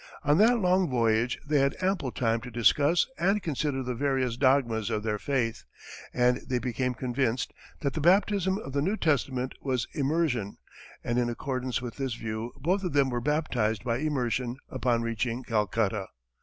On that long voyage, they had ample time to discuss and consider the various dogmas of their faith, and they became convinced that the baptism of the New Testament was immersion, and in accordance with this view, both of them were baptized by immersion upon reaching Calcutta.